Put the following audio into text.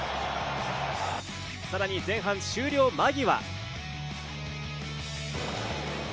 さらに前半終了間際。